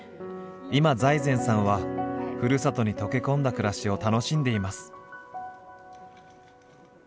今財前さんはふるさとに溶け込んだ暮らしを楽しんでいます。